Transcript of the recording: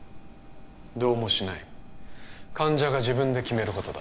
どうもしない患者が自分で決めることだ